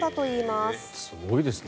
すごいですね。